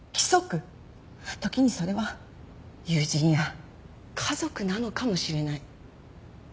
時にそれは友人や家族なのかもしれない。